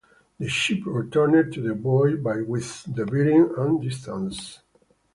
The ship returned to the buoy by with the bearing and distance.